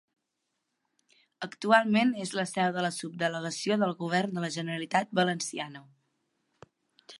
Actualment és la seu de la Subdelegació del Govern de la Generalitat Valenciana.